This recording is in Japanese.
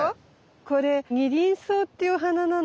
これニリンソウっていうお花なの。